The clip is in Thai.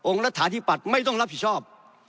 องค์รัฐธาตุที่ปรัชน์ไม่ต้องรับผิดชอบ